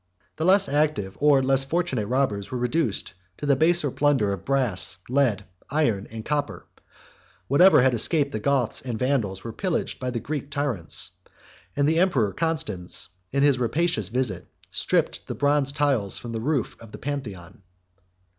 The less active or less fortunate robbers were reduced to the baser plunder of brass, lead, iron, and copper: whatever had escaped the Goths and Vandals was pillaged by the Greek tyrants; and the emperor Constans, in his rapacious visit, stripped the bronze tiles from the roof of the Pantheon.